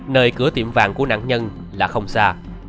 nơi cửa tiệm vàng của nạn nhân là không xa